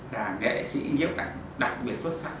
nghệ sĩ nhiếp ảnh đặc biệt xuất sắc